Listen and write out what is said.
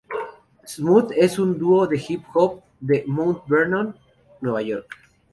Smooth es un dúo de hip hop de Mount Vernon, Nueva York.